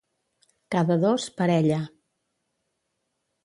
Cada dos, parella.